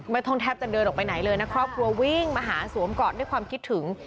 แทบจะเดินออกไปไหนเลยนะครอบครัววิ่งมาหาสวมกอดด้วยความคิดถึง